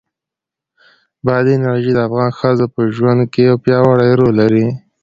بادي انرژي د افغان ښځو په ژوند کې یو پیاوړی رول لري.